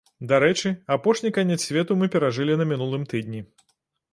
Дарэчы, апошні канец свету мы перажылі на мінулым тыдні.